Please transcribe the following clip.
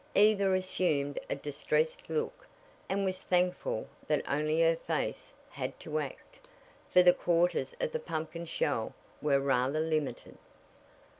Eva assumed a distressed look, and was thankful that only her face had to act, for the quarters of the pumpkin shell were rather limited.